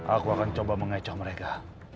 aku akan coba mengecoh mereka